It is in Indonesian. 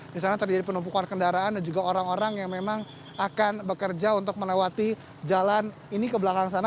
di sana terjadi penumpukan kendaraan dan juga orang orang yang memang akan bekerja untuk melewati jalan ini ke belakang sana